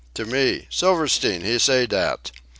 to me, Silverstein, he say dat.